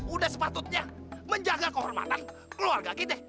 udah sepatutnya menjaga kehormatan keluarga kita